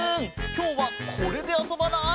きょうはこれであそばない？